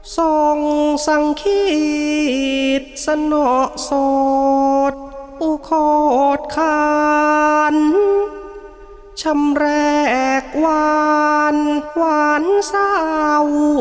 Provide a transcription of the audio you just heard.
ส่องสังขิตสนสดอุโคตรคัณชำแรกหวานหวานเศร้า